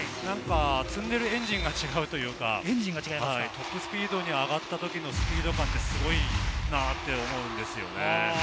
積んでるエンジンが違うというか、トップスピードに上がった時のスピード感がすごいなぁと思うんですよね。